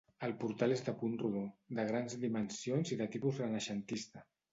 El portal és de punt rodó, de grans dimensions i de tipus renaixentista.